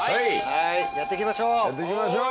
やって行きましょう。